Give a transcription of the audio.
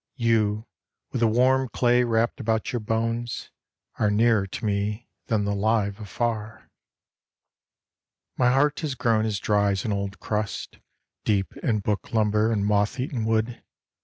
You, with the warm clay wrapt about your bones, Are nearer to me than the live afar. My heart has grown as dry as an old crust, Deep in book lumber and moth eaten wood.